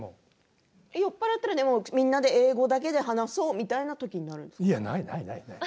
酔っ払ったらみんなで英語だけで話そうみたいなことがあるないない。